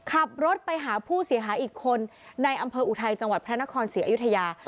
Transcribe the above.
ขับรถไปหาผู้เสียหายอีกคนในอำเภออุทัยจังหวัดพระนครศรีอยุธยา